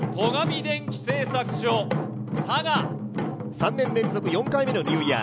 ３年連続４回目のニューイヤー。